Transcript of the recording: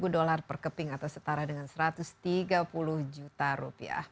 dua ribu dolar per keping atau setara dengan satu ratus tiga puluh juta rupiah